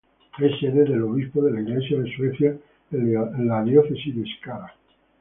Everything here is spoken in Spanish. Es sede del obispo de la Iglesia de Suecia en la Diócesis de Skara.